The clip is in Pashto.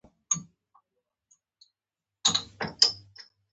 ګیلاس د پلار له تودو لاسونو راځي.